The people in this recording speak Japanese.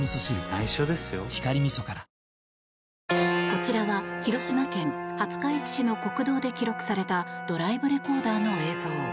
こちらは広島県廿日市市の国道で記録されたドライブレコーダーの映像。